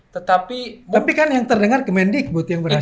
tetapi kan yang terdengar kemendik buat yang berhasil